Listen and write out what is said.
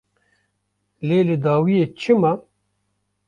Lê li dawiyê çi ma?